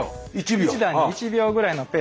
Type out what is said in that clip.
１段に１秒ぐらいのペースだと。